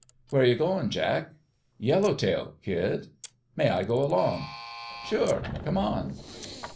"Where you going, Jack?" Yellow Tail, kid." "May I go along?" "Sure! Come on